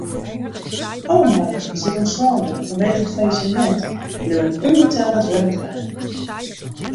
Alle meiwurkers dy't ûntslein wurde fanwegen it fallisemint bliuwe ûnbetelle it wurk dwaan.